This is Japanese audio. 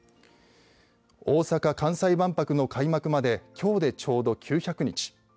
大阪・関西万博の開幕まできょうで、ちょうど９００日。